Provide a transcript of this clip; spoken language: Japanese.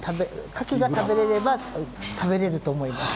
カキが食べられれば食べられると思います。